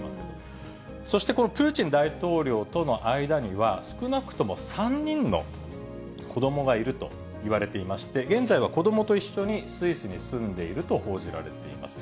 そしてこのプーチン大統領との間には、少なくとも３人の子どもがいるといわれていまして、現在は子どもと一緒にスイスに住んでいると報じられています。